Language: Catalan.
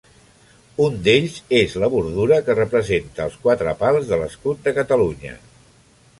Un d'ells és la bordura que representa els quatre pals de l'escut de Catalunya.